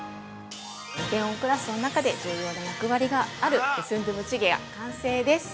「梨泰院クラス」の中で重要な役割があるスンドゥブチゲ完成です。